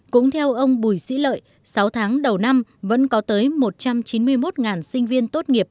cũng theo ông bùi sĩ lợi sáu tháng đầu năm vẫn có tới một trăm chín mươi một sinh viên tốt nghiệp